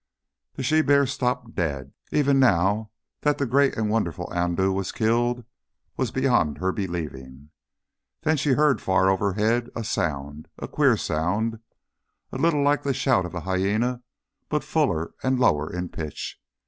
The she bear stopped dead. Even now, that the great and wonderful Andoo was killed was beyond her believing. Then she heard far overhead a sound, a queer sound, a little like the shout of a hyæna but fuller and lower in pitch.